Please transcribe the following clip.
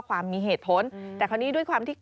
ความมีเหตุผลแต่คราวนี้ด้วยความที่